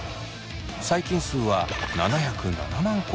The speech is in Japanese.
細菌数は７０７万個。